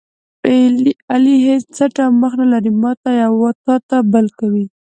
علي هېڅ څټ او مخ نه لري، ماته یوه تاته بله کوي.